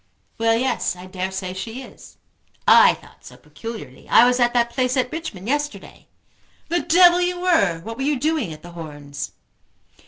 "Well, yes; I dare say she is." "I thought so, peculiarly. I was at that place at Richmond yesterday." "The devil you were! What were you doing at The Horns?"